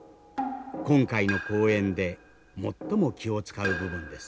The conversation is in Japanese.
今回の公演で最も気を遣う部分です。